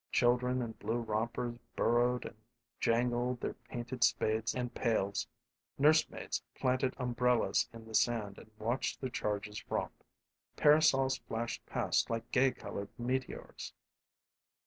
Children in blue rompers burrowed and jangled their painted spades and pails; nursemaids planted umbrellas in the sand and watched their charges romp; parasols flashed past like gay colored meteors.